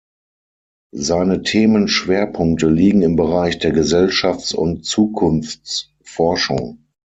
Seine Themenschwerpunkte liegen im Bereich der Gesellschafts- und Zukunftsforschung.